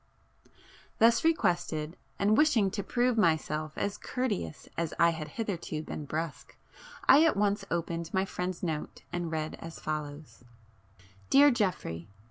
Thus requested, and wishing to prove myself as courteous as I had hitherto been brusque, I at once opened my friend's note and read as follows,— [p 22]Dear Geoffrey.